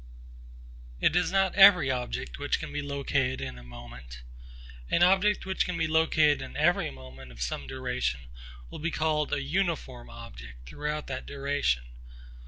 It is not every object which can be located in a moment. An object which can be located in every moment of some duration will be called a 'uniform' object throughout that duration.